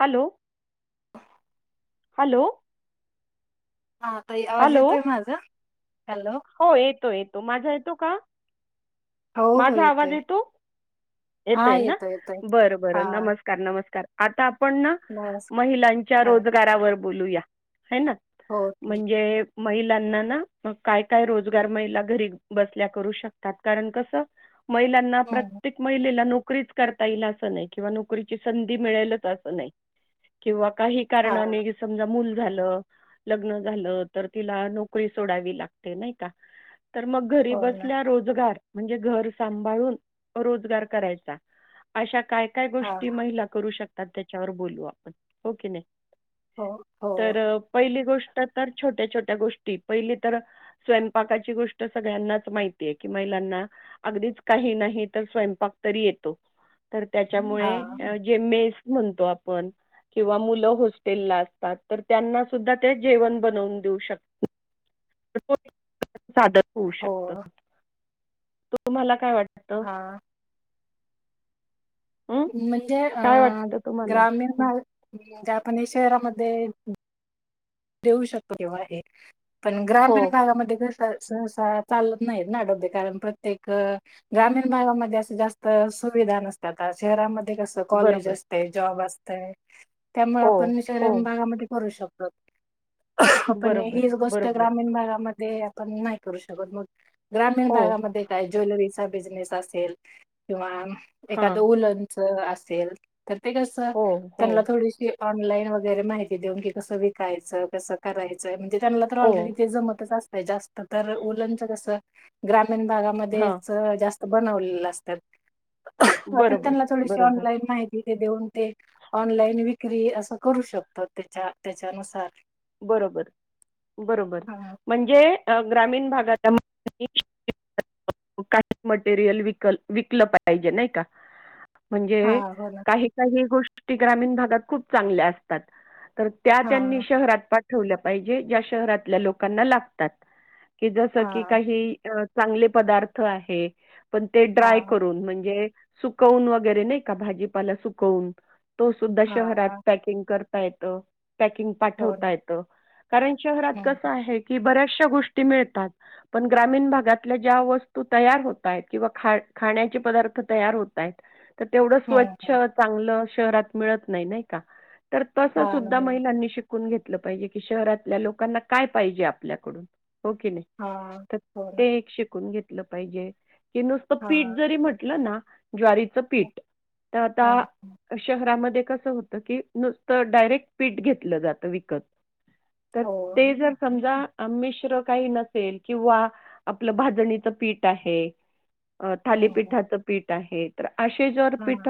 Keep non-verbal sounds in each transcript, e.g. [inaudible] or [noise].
Hello, hello. हा ताई आवाज हॅलो येतोय माझा. हॅलो. हो येतो येतो माझा येतो का? हो हो माझा आवाज येतोय. येतो, हा येतोय ना येतोय. बरं हा बरं नमस्कार नमस्कार! आता आप पण बस महिलांच्या हा रोजगारावर बोलूया है ना हो ठीक म्हणजे? महिलांना ना मग काय? काही रोजगार महिला घरी बसल्या करू शकतात कारण, कस? महिलांना हम्म प्रत्येक महिलेला नोक नोकरीच करता येईल अस नाही. किंवा नोकरीची संधी मिळेलच अस नाही. किंवा काही हा कारणाने समजा मुलं लग्न झालं, तर तिला नोकरी सोडावी लाग ते नाही का? तर मग घरी हो ना बसल्या रोजगार म्हणजे घर सांभाळून रोजगार करायचा अशा काय काय हा गोष्टी महिला करू शकत आ त्याच्यावर बोलू आपण, हो की नाही? हो हो तर पहिली गोष्ट तर तर छोट्या छोट्या गोष्टी. पहिली तर स्वयंपाकाची गोष्ट सगळ्यांनाच माहितीय की, महिलांना अगदीच काही नाही तर स्वयपाक तरी येतो. तर हा त्याच्यामुळे, जे मेस म्हणतो आपण किंवा मुलं होस्टेलला असतात. तर त्यांना सुद्धा ते जेवण बनून देऊ शक साधर होऊ हो शकत. तुम्हाला काय वाट हा. हं, म्हणजे काय अ- वाटतं तुम्हाला? ग्रामीण हं, भा गात. आणी शहरामध्ये देऊ शकते देव आहे. पण हो, ग्रामीण भागामध्ये सहसा चालत नाहीत ना आडोे कारण प्रत्येक ग्रामीण भागामध्ये असे जास्त सुविधा नसतात शहरामध्ये कस कॉलेज बरोबर. असते जॉब असते. तर त्यामुळे हो, आपण हो, विषारम भागामध्ये करू शकतो. हो. पण बरोबर, हीच गोष्ट बरोबर. ग्रामीण भागामध्ये ते आपण नाही करू शकत मग ग्रामीण हो, भागामध्ये काय ज्वेलरीज बिझनेस असेल किंवा हां, एखादं उलन असेल. तर ते कस हो, हो, त्यांना थोडीशी ऑनलाईन वगैरे माहिती देऊन की कसं. करायचं कसं करायचं म्हणजे त्यांला तर हो, ऑलरेडी ते जमतचत. स्त तरच कस ग्रा भागामध्ये हां, जास्त बनवलेलं असतात. अ पण बरोबर, त्यांना थडीशी बरोबर, ऑनलाई माहिती देऊन ते ऑनलाईन विक्री अस करू शकतात त्या त्याच्यानु हा. बरोबर बरोबर हा म्हणजे ग्रामीण भाग मटेरियल विकलं पाहिजे नाही का? हा म्हणजे हो ना काही काही गोष्टी ग्रामीण भागात खूप चांगल्या असतात. तर त्या हा त्यांनी शहरात पाठवलं पाहिजेत शहरातल्या लोकांना लातात कि जसं की हा काही अ चांगले पदार्थ आहे. पण ते ड्राय हा करून म्हणजे सुकवून वगैरे नाही का भाजीपाला सुकवून तो सुद्धा हा शहरात हा पॅकिंग करो. येतो. पॅकिंग हो ना पाठवताय- कारण शहरात हम्म कस आहे? की - बऱ्याचशा गोष्टी मिळतात पण ग्रामीण भागातल्या ज्या वस्तू तयार होतायेत किंवा खाण्याचे पदार्थ तयार होतायेत - तर तेवढं हम्म स्वच्छ हम्म चांगलं- शहरात मिळत नाही. नाही का? तर तसं हा ना सुद्धा हो ना महिलांनी शिक- [unintelligible] पाहिजे की शहरातल्या लोकांना काय पाहिजे आपल्याकडून. हो की नाही? हा तर हो ना ते एक शिकून घेत- लं पाहिजे. की नुसतं हा पीठ जरी म्हटलं ना- ज्वारीचं पीठ. त आता हम्म हम्म शहरामध्ये- कस होत की, नुसतं डायरेक्ट पीठ घेतलं जातं विक- कत. तर, हो - ते जर समजा अन मिश्र काही नसेल किंवा आपलं भाजणीच पीठ आहे- अ हम्म थालीपीठाचं पीठ- आहे तर - असे जवर हा पीठ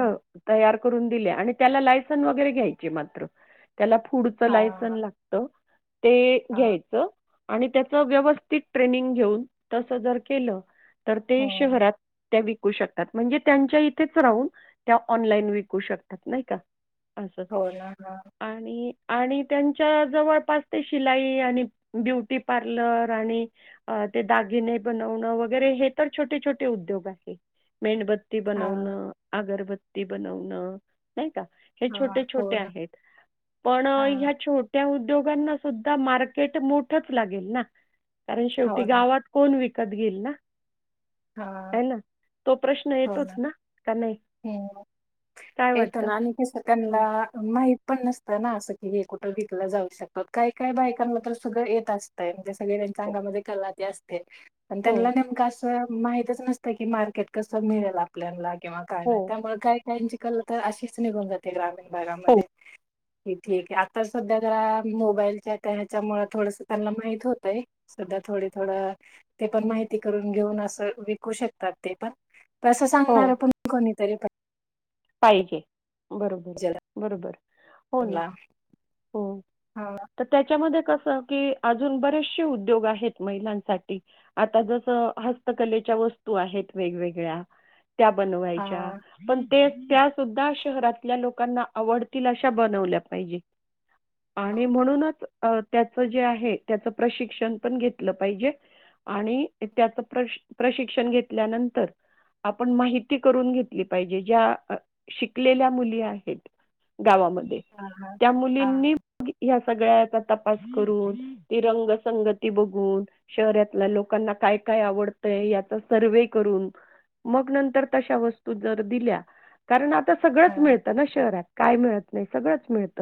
तयार- करून दिल्या आणि त्याला लायसन वगैरे घ्यायचे मात्र - त्याला फूडच हा लायस- सन लागत. ते हा -घ्यायचं. आणि त्याच व्यवस्थित ट्रेनिंग घेऊन. तस जर केलं- तर ते हम्म शहरात त्या व- विकू शकतात म्हणजे त्यांच्या इथेच राहून, त्या ऑनलाइन विकू शकतात. नाही का? अस. हो ना आणि- आणि- त्यांच्या जवळपास ते शिलाई आणि ब्युटी पार्लर आणि ते दागिने बनवण वगैरे हे तर छोटे छोटे उद्योग आहे. मेणबत्- ते हा बनवण. अगरबत्ती- ते बनवण - नाही का? हे हा छोटे हा हो छोटे ना आहेत पण हा ह्या - त्या उद्योगांना सुद्धा मार्केट मोठच लागेल ना. कारण हो शेवटी ना गावात कोण विक [unintelligible] हा हो येतोच ना का नाही? हम् काय येतो वाटतं? ना ते सतनला हं. माह पण नसतं ना असं कि हे कुठं विकलं जाऊ शकत काही काय बायकांना पण सगळं येत असतंय म्हणजे सगळे त्यांच्या हो, अंगामध्ये कला ते अस ते पण हो, त्यांना नेमकां अस. ह. माहितच नसतं की मार्केट कसं मिळेल आपल्याला किंवा काय हो, नाही त्यामुळे का? त्यांची कला तर अशीच निघून जाते ग्रामीण हो. घरामध्ये ठीक आहे आता सध्या जरा मोबाईलच्या त्या ह्याच्यामुळे थोडस त्यांना माहित होतंय सध्या थोडे थोडं ते पण माहिती करून घेऊन अस. विकू शकतात ते पण कसं हो. सांगणार आहे पण को तरी पण पाहिजे. बरोबर बरोबर हो ना त्यांना. हो हा. तर त्याच्यामध्ये कस की अजून बरेचसे उद्योग आहेत महिलांसाठी आता जस हस्तकलेच्या वस्तू आहेत वेगवेगळ्या त्या हा बनवायच्या पण तेच त्या सुद्धा शहरातल्या लोकांना आवडतील अशा बनवल्या पाहिजे. हो आणि ना. म्हणूनच अ त्याचं जे आहे त्याच प्रशिक्षण पण घेतलं पाहिजे आणि त्याच प्रश प्रशिक्षण घेतल्यानंतर आपण माहिती करून घेतली पाहिजे. ज्या शिकलेल्या मुली आहेत. गावामध्ये हा हा. त्या हा. मुलींनी ह्या सगळ्याचा तपास करून ती रंगसंगती बघून शहरातल्या लोकांना काय काय आवडतय याचा सर्व्हे करून मग नंतर तशा वस्तू जर दिल्या [unintelligible] सगळंच हा. मिळतं ना शहरात. काय मिळत नाही सगळंच मिळत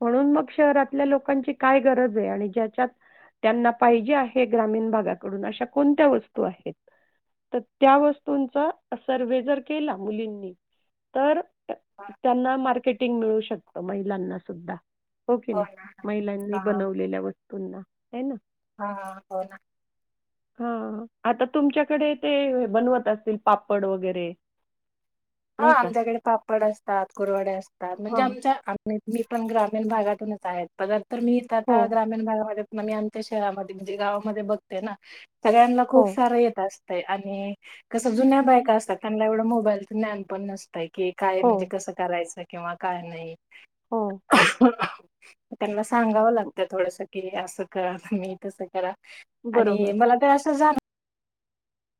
म्हणून मग शहरातल्या लोकांची काय गरज आहे आणि ज्याच्यात त्यांना पाहिजे आहे ग्रामीण भागाकडून अशा कोणत्या वस्तू आहेत तर त्या वस्तूंचा सर्वे जर केला मुलींनी तर हा, त्यांना मार्केटिंग मिळू शक त महिलांना सुद्धा हो की नाही महिलांनी बनवलेल्या वस पुन्हा हे ना. हा हा हो ना. हा आता तुमच्याकडे ते बनवत असतील. पापड वगैरे हा नाही का आमच्याकडे पापड असतात, कुरवडे असतात, म्हणजे हां आमच्या आम्ही मी पण ग्रामीण भागातूनच आहे पदर हो [unintelligible] म मी आमच्या शहरामध्ये म्हणजे गावामध्ये बघते ना सगळ्यांना हो खूप सारं येत असत. ते आणि कसं जुन्या बायका असतात. त्यांना एवढं मोबाईल ज्ञानपण नस तय की काय हो म्हणजे कसं करायचय. किंवा काय नाही. हो. त्यांना सांगावं ब लागतं थोडस की असं करा तुम्ही तसं करा. बरोबर आणि मला तर असं जाण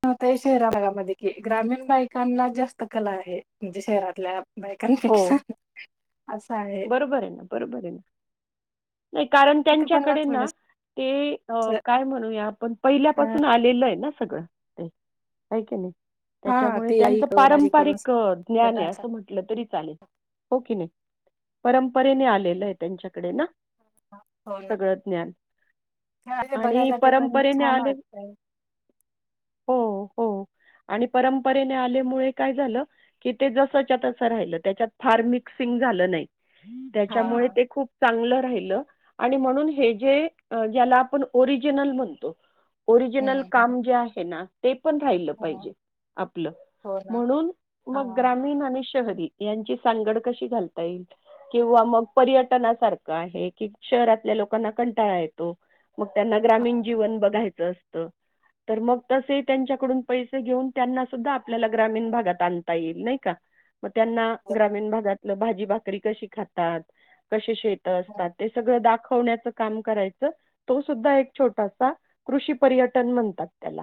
[unintelligible] शहरा भागामध्ये कि ग्रामीण बायकांना जास्त कला आहे. म्हणजे शहरातल्या हो बायकांपेक्षा. असं आहे बरोबर आहे ना बरोबर आहे ना. नाही कारण तर त्यांना त्यांच्याकडे ना थोडस ते अ काय म्हणूया आपण पहिल्यापासून आलेल आहे ना. सगळं ते होय कि नाही. हा त्याच्यामुळे ते त्यांच आईकडून आजीकडून पारंपरिक ज्ञान आहे असं म्हटलं तरी चालेल हो की नाही. परंपरेने आलेलं आहे त्यांच्याकडे ना हो ना सगळं ज्ञान, ते आणि बघायला ते पण परंपरेने छान आले वाटतय हो. हो आणि परंपरेने आल्यामुळे काय झालं. की ते जसच्या तसं राहिलं त्याच्यात फार मिक्सिंग झालं नाही. त्याच्यामुळे हा ते खूप चांगलं राहिलं, आणि म्हणून हे जे ज्याला आपण ओरिजनल म्हणतो. ओरिजिनल हम्म काम जे आहे ना. ते पण राहिलं हम्म पाहिजे आपलं हो ना म्हणून हा मग ग्रामीण आणि शहरी यांची सांगड कशी घालता येईल. किंवा मग पर्यटनासारखं आहे कि शहरातल्या लोकांना कंटाळा येतो. मग त्यांना हा ग्रामीण जीवन बघायचं असतं. तर मग तसे त्यांच्याकडून पैसे घेऊन त्यांना सुद्धा आपल्याला ग्रामीण भागात आणता येईल नाही का मग त्यांना हो ना ग्रामीण भागातलं भाजी भा करी कशी खातात. शेत असतात ते सगळं दा खवण्याच काम करायच, तो सुद्धा एक छोटासा कृषी पर्यटन म्हणतात त्याला.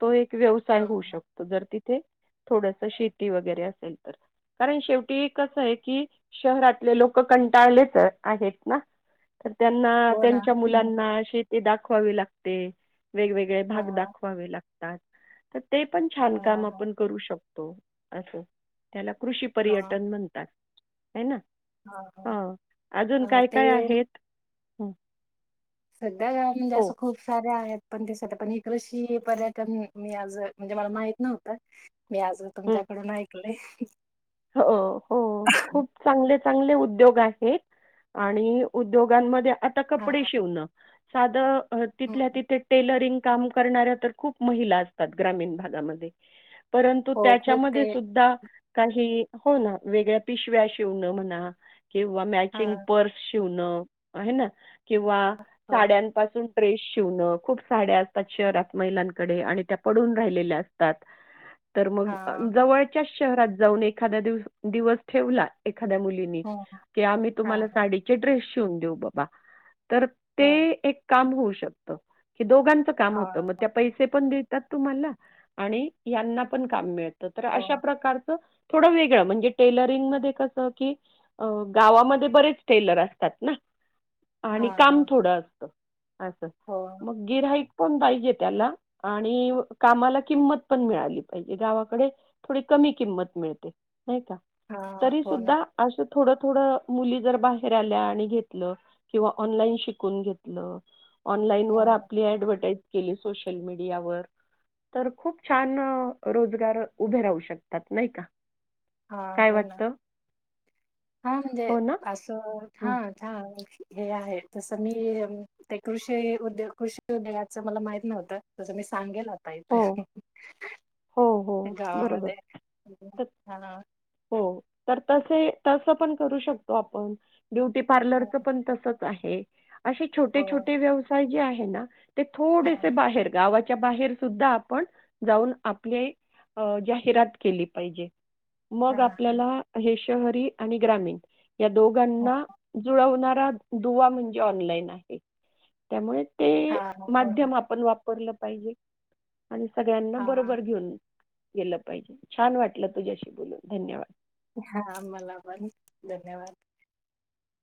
तो एक व्यवसाय हा होऊ शकतो जर ती थे थोडस शेती वगैरे असेल तर, कारण शेवटी कस आहे की. शहरातले लोक कंटाळलेच ह आहेत ना. तर त्यांना हो ना त्यांच्या मुलांना शे ती दाखवावी लागते वेगवेगळे हा भाग दाखवावे लाग तात त ते पण छान हा काम आपण करू शक तो असं. त्याला कृषी पर्यटन म्हणतात. आहे ना. ह हां ह ह ते. हूं! सध्या म्हणजे असं खूप सारे आहेत. [unintelligible] पर्यटन मी आज म्हणजे मला माहित नव्हतं. मी आज तुमच्याकडून ऐकलंय. ठीक [unintelligible] हो हो खूप चांगले चांगले उद्योग आहेत आणि उद्योगांमध्ये. आता हा कपडे हा शिवण साध अ तिथल्या हम्म. तिथे टेलरिंग. काम करणाऱ्या तर खूप महिला असतात ग्रामीण भागमध्ये. परंतु हो खूप त्याच्यामध्ये ते सुद्धा. ह हो ना वेगळ्या पिशव्या शिवण म्हणा किंवा हा मॅचिंग पर्स. शिवण आहे ना. किंवा हो साड्यांपासून ड्रेस शिवणं, खूप साड्या असतात शहरात महिलांकडे, आणि त्या पडून राहिलेल्या असतात तर मग हा जवळच्याच शहरात जाऊन एक. एखाद्या दि दिवस ठेवला. एखा्या मुलिनी हो आम्ही हा तुम्हा साडी ड्रेस. शिवून देऊ बाबा तर ते हा एक काम होऊ श शकतो कि दोघांच काम हा होतं मग त्या पैसे पण द तुम्हाला आणि यांना पण काम मिळत. तर हो अशा प्रकारचं थोडं वेगळं म्हणजे टेलरिंग मध्ये कस की गावामध्ये बरेच टेलर असतात ना. हा आणि काम हा थोडं. असं हो मग गिरई पण पाहिजे त्याला आणि कामाला किंमत पण मिळाली पाहिजे गावाकडे थोडी कमी किंमत मिळते. नाही का हा तरी हो ना सुद्धा अस. थोड थोड मुली जर बाहेर आल्या आणि घेतलं किंवा ऑनलाईन शिकून घेतलं. ऑनलाईन वर हो आपली ऍडव्हटाईज केली सोशल मीडियावर तर खूप छान रोजगार उभे राहू शकतात नाही का. हा काय हो ना वाटतं हा म्हणजे हो ना असो हं. हा. हे आहे तसं मी ते कृषी उद्योग कृषी उद्योगाचं मला माहित नव्हतं तसं मी सांगेल. हो हो हो य बरोबर गावामध्ये त तस पण करू शकतो आपण ब्युटी पार्लरचं पण तसं. आहे. असे छोटे हो छोटे व्यवसाय जे आहेत. ह ना. ते थोडेसे हो बाहेर गावा त्या बाहेर सुद्धा आपण जाऊ जाहिरात केली पाहिजे. हा मग आपल्याला हे शहरी आणि ग्रामीण या हा दोघांना जुळवणार. म्हणजे ऑनलाईन आहे त्यामुळे ते हो ना माध्यम आपण वाप वापरल पाहिजे. आणि सगळ्यांना हा बरोबर घेऊन. गेलं पाहिजे छान वाटलं तुझ्याशी बोलून धन्यवाद हा मला पण धन्यवाद